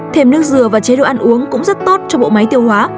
thêm nước dừa và chế độ ăn uống cũng rất tốt cho bộ máy tiêu hóa